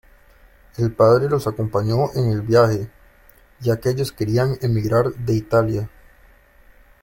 El padre los acompañó en el viaje, ya que ellos querían emigrar de Italia.